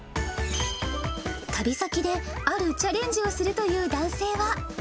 旅先であるチャレンジをするという男性は。